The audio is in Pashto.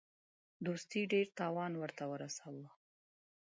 دوستي ډېر تاوان ورته ورساوه.